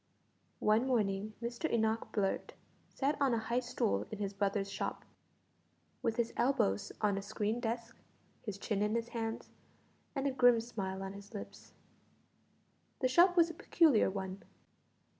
One morning Mr Enoch Blurt sat on a high stool in his brother's shop, with his elbows on a screened desk, his chin in his hands, and a grim smile on his lips. The shop was a peculiar one.